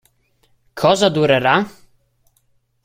Cosa durerà?